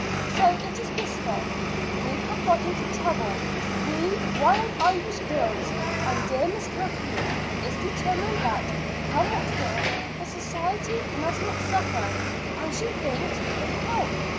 So it is this way: we have got into trouble, we Wild Irish Girls, and dear Miss Kathleen is determined that, come what will, the society must not suffer; and she thinks you could help.